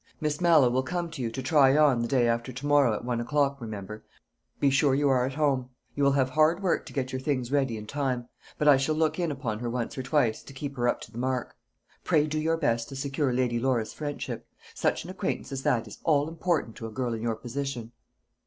Miss Mallow will come to you to try on the day after to morrow at one o'clock, remember; be sure you are at home. She will have hard work to get your things ready in time; but I shall look in upon her once or twice, to keep her up to the mark. Pray do your best to secure Lady Laura's friendship. Such an acquaintance as that is all important to a girl in your position."